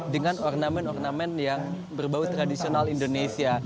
dengan ornamen ornamen yang berbau tradisional indonesia